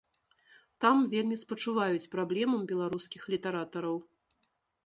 Там вельмі спачуваюць праблемам беларускіх літаратараў.